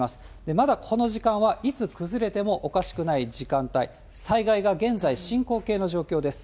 まだこの時間はいつ崩れてもおかしくない時間帯、災害が現在進行形の状況です。